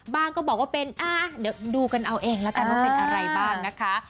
ก็บอกว่าเป็นเดี๋ยวดูกันเอาเองแล้วกันว่าเป็นอะไรบ้างนะคะ